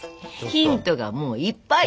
ヒントがもういっぱい。